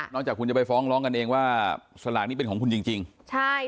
จากคุณจะไปฟ้องร้องกันเองว่าสลากนี้เป็นของคุณจริงจริงใช่